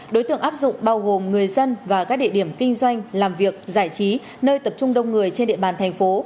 đối tượng áp dụng bao gồm người dân và các địa điểm kinh doanh làm việc giải trí nơi tập trung đông người trên địa bàn thành phố